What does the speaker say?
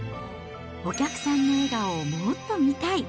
お客さんの笑顔をもっと見たい。